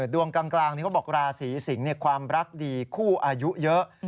ดวงกลางนี้เขาบอกราศีสิงศ์ความรักดีคู่อายุเยอะ